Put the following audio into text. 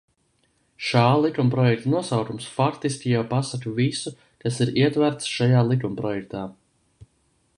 Šā likumprojekta nosaukums faktiski jau pasaka visu, kas ir ietverts šajā likumprojektā.